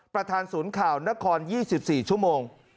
ประธานศูนย์ข่าวนคร๒๔ชั่วโมง